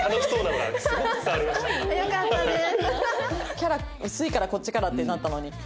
キャラ薄いからこっちからってなったのに。